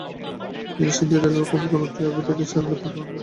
তিনি East Indian রেলওয়ের committee of অডিটের চেয়ারম্যানের পদ গ্রহণ করেন।